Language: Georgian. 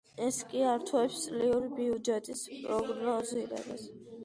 ეს კი ართულებს წლიური ბიუჯეტის პროგნოზირებას.